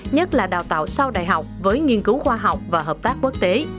nhất là đào tạo sau đại học với nghiên cứu khoa học và hợp tác quốc tế